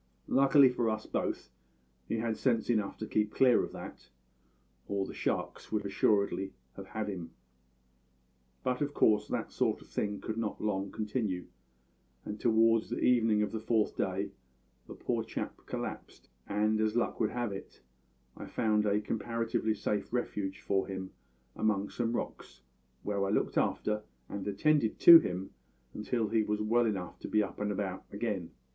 Luckily for us both he had sense enough to keep clear of that, or the sharks would assuredly have had him. But of course that sort of thing could not long continue, and toward the evening of the fourth day the poor chap collapsed, and, as luck would have it, I found a comparatively safe refuge for him among some rocks, where I looked after and attended to him until he was well enough to be up and about again.